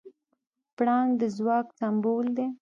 پړانګ د ځواک سمبول دی.